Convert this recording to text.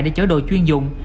để chở đồ chuyên dụng